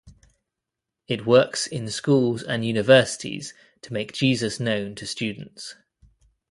It works in schools and universities to make Jesus known to students.